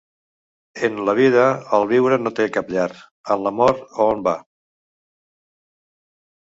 En la vida, el viure no té cap llar, en la mort a on va?